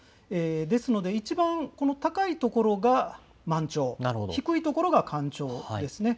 ですので一番この高い所が満潮、低いところが干潮ですね。